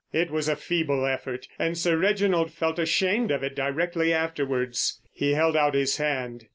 It was a feeble effort, and Sir Reginald felt ashamed of it directly afterwards. He held out his hand.